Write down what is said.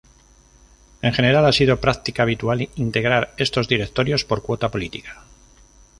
En general ha sido práctica habitual integrar estos directorios por cuota política.